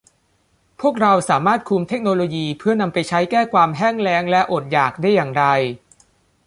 พวกเราสามารถคุมเทคโนโลยีเพื่อนำไปใช้แก้ความแห้งแล้งและอดอยากได้อย่างไร